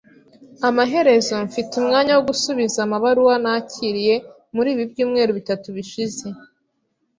Amaherezo mfite umwanya wo gusubiza amabaruwa nakiriye muri ibi byumweru bitatu bishize.